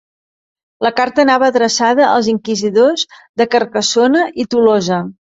La carta anava adreçada als inquisidors de Carcassona i Tolosa.